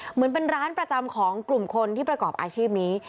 เหมือนเป็นร้านประจำของกลุ่มคนที่ประกอบอาชีพนี้